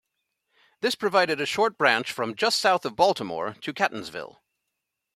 This provided a short branch from just south of Baltimore to Catonsville.